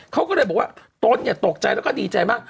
เขาก็เลยบอกว่าตนตกใจแล้วก็ดีใจมาก